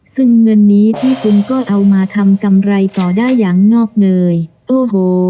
ซึ่งเงินนี้ที่คุณก็เอามาทำกำไรต่อได้อย่างงอกเงยโอ้โห